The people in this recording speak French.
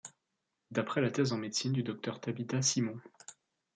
D'apres la thèse en médecine du Dr Tabita Simon.